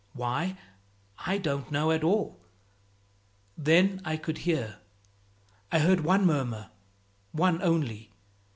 Why? I don't know at all. Then I could hear. I heard one murmur, one only.